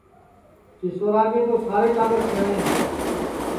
کیشورا کے تو سارے ٹاٻر سیاٹؔے ہے